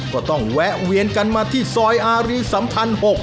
แวะเวียนกันมาที่ซอยอารีสัมพันธ์๖